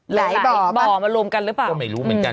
หลายบ่อมารวมกันหรือเปล่า